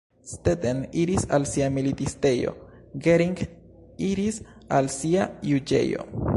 Stetten iris al sia militistejo, Gering iris al sia juĝejo.